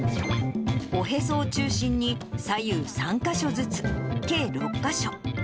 おへそを中心に左右３か所ずつ、計６か所。